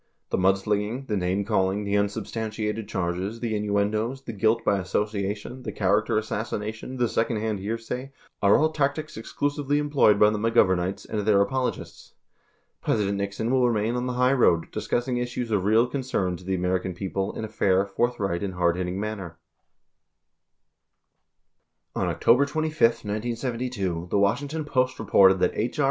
The mudslinging, the name calling, the unsubstantiated charges, the innuendoes, the guilt by association, the character assassination, the second hand hearsay are all tactics exclusively employed by the McGovem ites and their apologists. President Nixon will remain on the high road, discussing issues of real concern to the American people in a fair, forthright, and hardhitting manner .* On October 25, 1972, the Washington Post reported that H. R.